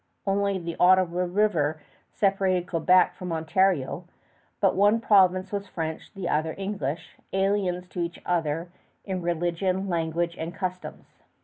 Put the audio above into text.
Only the Ottawa River separated Quebec from Ontario, but one province was French, the other English, aliens to each other in religion, language, and customs.